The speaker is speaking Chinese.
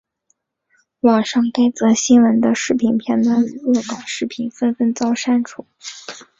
网路上该则新闻的视频片段与恶搞视频纷纷遭删除。